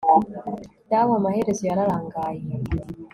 Dawe amaherezo yararangaye